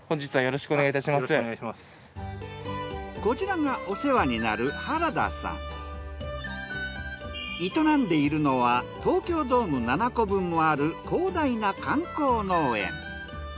こちらがお世話になる営んでいるのは東京ドーム７個分もある広大な観光農園。